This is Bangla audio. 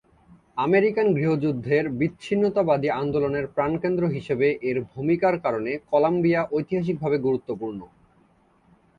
আমেরিকান গৃহযুদ্ধের বিচ্ছিন্নতাবাদী আন্দোলনের প্রাণকেন্দ্র হিসেবে এর ভূমিকার কারণে কলাম্বিয়া ঐতিহাসিকভাবে গুরুত্বপূর্ণ।